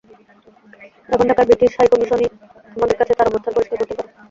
এখন ঢাকার ব্রিটিশ হাইকমিশনই আমাদের কাছে তাঁর অবস্থান পরিষ্কার করতে পারে।